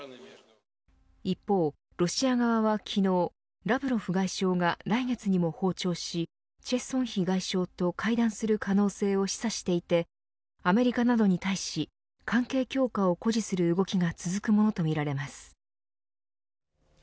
一方、ロシア側は昨日ラブロフ外相が来月にも訪朝し崔善姫外相と会談する可能性を示唆していてアメリカなどに対し関係強化を誇示する動きが続くものとみられます。